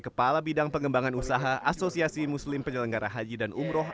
kepala bidang pengembangan usaha asosiasi muslim penyelenggara haji dan umroh